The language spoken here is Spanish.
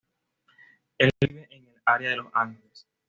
Él vive en el área de Los Ángeles.